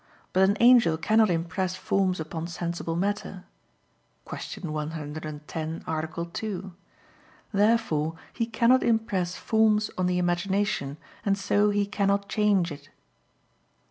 But an angel cannot impress forms upon sensible matter (Q. 110, A. 2). Therefore he cannot impress forms on the imagination, and so he cannot change it.